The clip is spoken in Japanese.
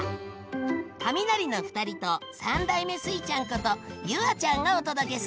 カミナリの２人と３代目スイちゃんこと夕空ちゃんがお届けする。